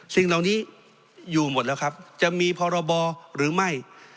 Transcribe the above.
สิ่งเหล่านี้อยู่หมดแล้วครับจะมีพรบหรือไม่